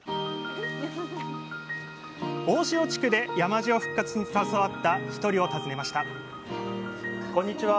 大塩地区で山塩復活に携わった一人を訪ねましたこんにちは。